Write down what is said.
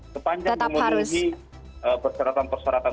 sepanjang memenuhi persyaratan persyaratan